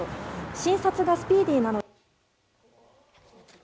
診察がスピーディーなので。